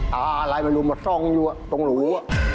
เอาอะไรมาลุมมาซ่องอยู่ตรงหรู